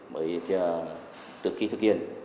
mới được thực hiện